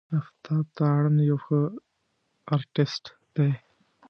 آفتاب تارڼ یو ښه آرټسټ دی.